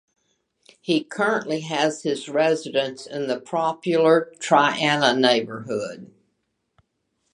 He currently has his residence in the popular Triana neighborhood.